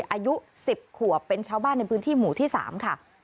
อายุ๑๐ขวบเป็นชาวบ้านในพื้นที่หมู่ที่๓ค่ะ